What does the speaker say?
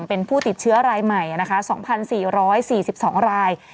เป็นผู้ติดเชื้อรายใหม่นะคะ๒๔๔๒ราย